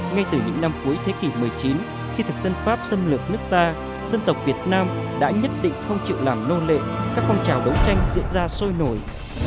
ngay từ những năm cuối thế kỷ một mươi chín khi thực dân pháp xâm lược nước ta dân tộc việt nam đã nhất định không chịu làm nô lệ các phong trào đấu tranh diễn ra sôi nổi